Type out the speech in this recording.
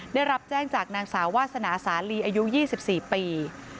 ได้รับแจ้งจากนางสาววาสนาสาลีอายุ๒๔ปี